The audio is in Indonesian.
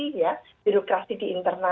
di internanya itu akhirnya tidak terjadi